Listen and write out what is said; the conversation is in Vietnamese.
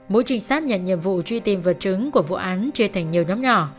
mỗi trinh sát nhận nhiệm vụ truy tìm vật chứng của vụ án chia thành nhiều nhóm nhỏ